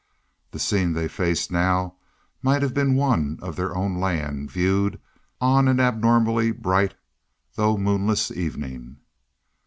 The scene they faced now might have been one of their own land viewed on an abnormally bright though moonless evening.